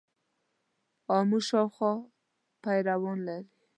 آمو شاوخوا پیروان لري.